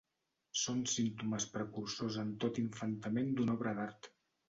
Són símptomes precursors en tot infantament d'una obra d'art